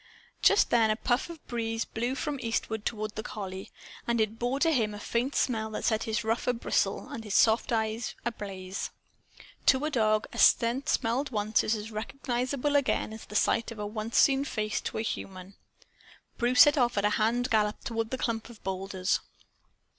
Just then a puff of breeze blew from eastward toward the collie; and it bore to him a faint scent that set his ruff a bristle and his soft brown eyes ablaze. To a dog, a scent once smelled is as recognizable again as is the sight of a once seen face to a human. Bruce set off at a hand gallop toward the clump of boulders.